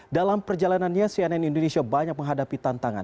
dalam perjalanannya cnn indonesia banyak menghadapi tantangan